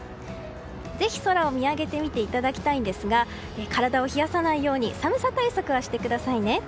ぜひ空を見上げてみていただきたいんですが体を冷やさないように寒さ対策はしてくださいね。